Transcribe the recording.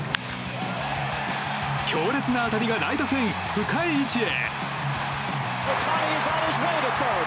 強烈な当たりがライト線、深い位置へ！